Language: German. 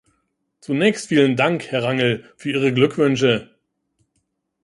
Zunächst vielen Dank, Herr Rangel, für Ihre Glückwünsche.